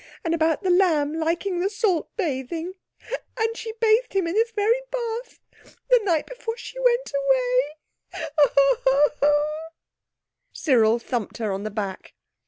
And about The Lamb liking the salt bathing! And she bathed him in this very bath the night before she went away—oh, oh, oh!" Cyril thumped her on the back.